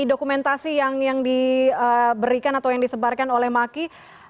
dokumentasi yang diberikan atau yang disebarkan oleh maki